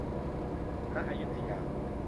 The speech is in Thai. ณ อยุธยา